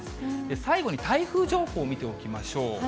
最後に台風情報見ておきましょう。